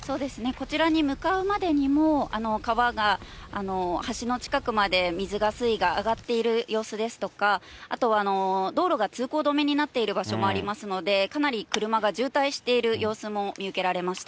こちらに向かうまでにも、川が橋の近くまで水が、水位が上がっている様子ですとか、あとは道路が通行止めになっている場所もありますので、かなり車が渋滞している様子も見受けられました。